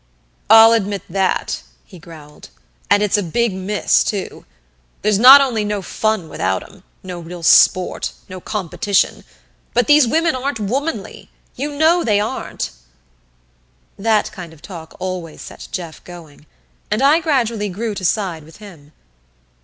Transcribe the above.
"I'll admit that," he growled. "And it's a big miss, too. There's not only no fun without 'em no real sport no competition; but these women aren't womanly. You know they aren't." That kind of talk always set Jeff going; and I gradually grew to side with him.